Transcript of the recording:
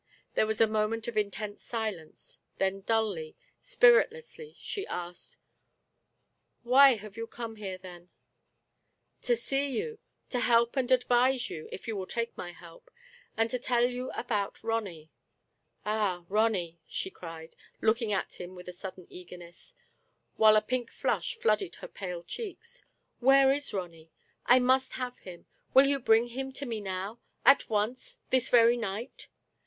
There was a moment of intense silence, then dully, spiritlessly, she asked :" Why have you come here, then ?"" To see you — to help and advise you, if you will take my help, and to tell you about Ronny." " Ah, Ronny !" she cried, Iboking at him with a sudden eagerness, while a pink flush flooded her pale cheeks. "Where is Ronny? I must have him. Will you bring him to me now — at once — ^this very night